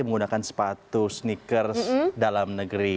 menggunakan sepatu sneakers dalam negeri